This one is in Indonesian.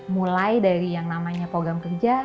mulai dari yang namanya program kerja